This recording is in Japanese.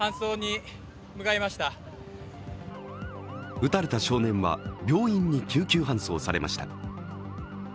撃たれた少年は病院に救急搬送されました。